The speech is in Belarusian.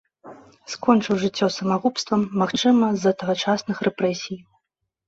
Скончыў жыццё самагубствам, магчыма, з-за тагачасных рэпрэсій.